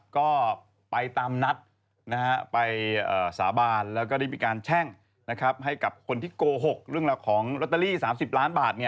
ก็ไปตามนัดไปสาบานแล้วก็ได้มีการแช่งให้กับคนที่โกหกเรื่องราวของลอตเตอรี่๓๐ล้านบาท